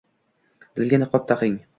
Dilga niqob taqing –